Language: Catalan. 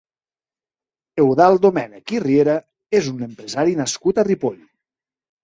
Eudald Domènech i Riera és un empresari nascut a Ripoll.